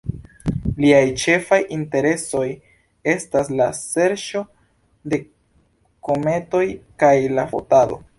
Liaj ĉefaj interesoj estas la serĉo de kometoj kaj la fotado.